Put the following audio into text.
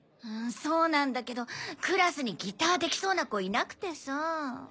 そうなんだけどクラスにギターできそうな子いなくてさ。